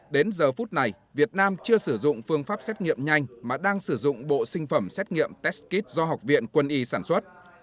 đến giờ phút này việt nam chưa sử dụng phương pháp xét nghiệm nhanh mà đang sử dụng bộ sinh phẩm xét nghiệm test kit do học viện quân y sản xuất